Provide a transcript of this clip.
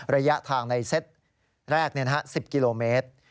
ระยะทางในเซตแรก๑๐กิโลเมตร